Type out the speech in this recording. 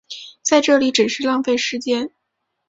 在这里只是浪费时间